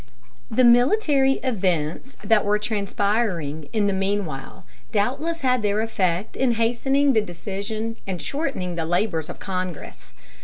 The military events that were transpiring in the meanwhile doubtless had their effect in hastening the decision and shortening the labors of Congress.